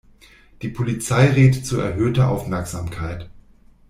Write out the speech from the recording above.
Die Polizei rät zu erhöhter Aufmerksamkeit.